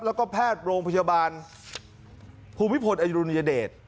แล้วก็แพทย์โรงพยาบาลภูมิพลอดุลยเดช